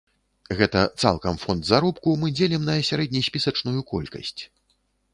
Гэта цалкам фонд заробку мы дзелім на сярэднеспісачную колькасць.